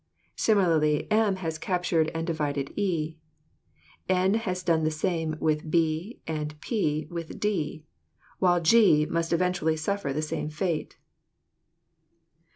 Similarly m has captured and divided e; n has done the same with b and p with d, while g must eventually suffer the same fate.